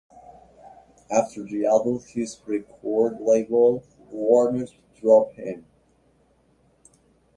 After the album his record label, Warners, dropped him.